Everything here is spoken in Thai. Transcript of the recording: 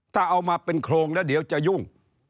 ถ้าเอามาเป็นโครงแล้วเดี๋ยวจะยุ่ง